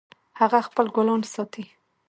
هغه خپل ګلان ساتي